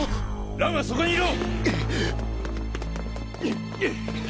蘭はそこにいろ！